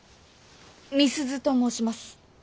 美鈴と申します。